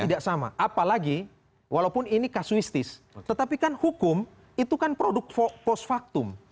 tidak sama apalagi walaupun ini kasuistis tetapi kan hukum itu kan produk post factum